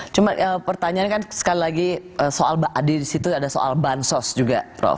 cuma pertanyaannya kan sekali lagi di situ ada soal bansos juga prof